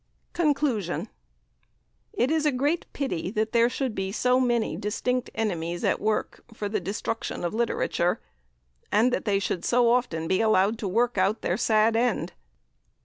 CONCLUSION. IT is a great pity that there should be so many distinct enemies at work for the destruction of literature, and that they should so often be allowed to work out their sad end.